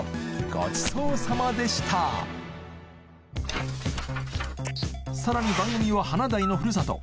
ごちそうさまでしたさらに番組は華大のふるさと